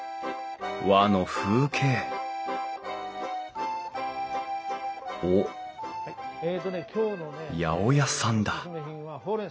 和の風景おっ八百屋さんだ